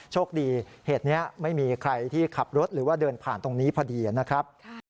โชคดีเหตุนี้ไม่มีใครที่ขับรถหรือว่าเดินผ่านตรงนี้พอดีนะครับ